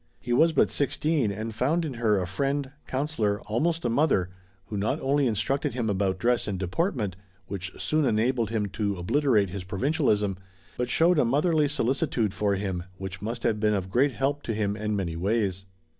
He was but sixteen, and found in her a friend, counsellor, almost a mother, who not only instructed him about dress and deportment, which soon enabled him to obliterate his provincialism, but showed a motherly solicitude for him, which must have been of great help to him in many ways.